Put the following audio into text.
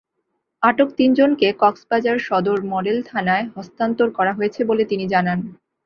আটক তিনজনকে কক্সবাজার সদর মডেল থানায় হস্তান্তর করা হয়েছে বলে তিনি জানান।